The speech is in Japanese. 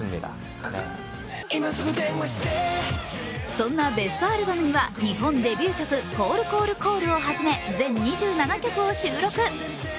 そんなベストアルバムには日本デビュー曲「ＣＡＬＬＣＡＬＬＣＡＬＬ！」をはじめ全２７曲を収録。